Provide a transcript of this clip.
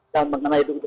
dan mengenai gedung dpr